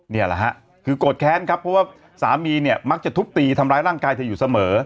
นี่แหละฮะคือโกรธแค้นครับเพราะว่าสามีเนี่ยมักจะทุบตีทำร้ายร่างกายเธออยู่เสมอ